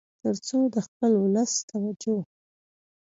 تر څو د خپل ولس توجه